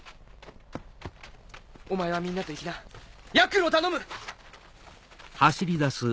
お前はみんなと行きなヤックルを頼む！